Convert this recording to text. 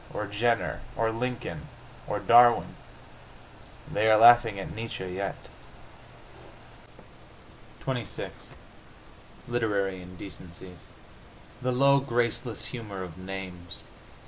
Or Jenner? Or Lincoln? Or Darwin?... They are laughing at Nietzsche yet.... XXVI LITERARY INDECENCIES The low, graceless humor of names!